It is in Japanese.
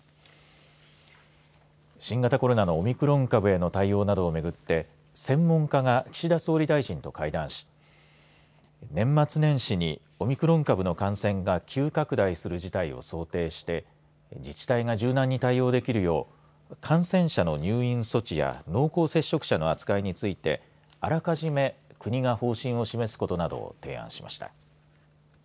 新型コロナのオミクロン株への対応などを巡って専門家が岸田総理大臣と会談し年末年始にオミクロン株の感染が急拡大する事態を想定して自治体が柔軟に対応できるよう感染者の入院措置や濃厚接触者の扱いについてあらかじめ国が方針を示すことなどを提案しました。